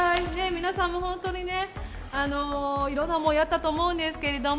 皆さん、本当にね、いろんな思いあったと思うんですけれども。